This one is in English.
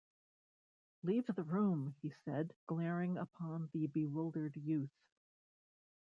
‘Leave the room!’ he said, glaring upon the bewildered youth.